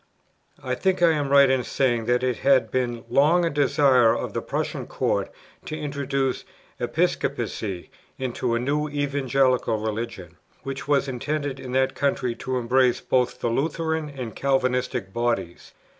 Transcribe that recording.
I think I am right in saying that it had been long a desire with the Prussian Court to introduce Episcopacy into the new Evangelical Religion, which was intended in that country to embrace both the Lutheran and Calvinistic bodies.